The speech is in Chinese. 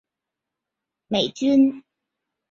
美军于同年将其列入制式装备。